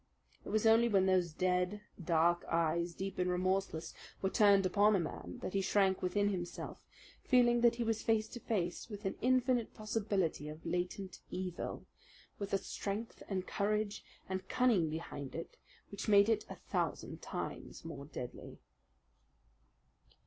It was only when those dead, dark eyes, deep and remorseless, were turned upon a man that he shrank within himself, feeling that he was face to face with an infinite possibility of latent evil, with a strength and courage and cunning behind it which made it a thousand times more deadly.